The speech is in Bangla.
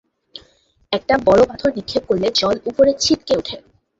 একটা বড় পাথর নিক্ষেপ করলে জল উপরে ছিটকে উঠে!